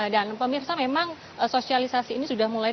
dan pak mirsa memang sosialisasi ini sudah mulai